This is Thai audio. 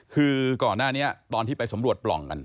คือก่อนหน้านี้ตอนที่ไปสำรวจปล่องกัน